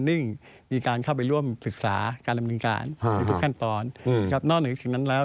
เรามีสัญญาให้วิศวกรไทยเข้าไปร่วม